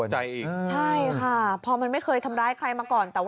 ใช่ค่ะพอมันไม่เคยทำร้ายใครมาก่อนแต่ว่า